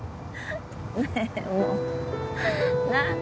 ねえもうなんで？